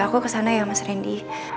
aku kesana ya mas randy